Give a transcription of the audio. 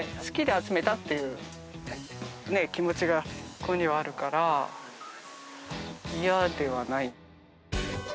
好きで集めたっていう気持ちがここにはあるから嫌ではない。